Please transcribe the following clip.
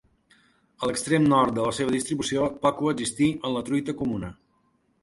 A l'extrem nord de la seua distribució pot coexistir amb la truita comuna.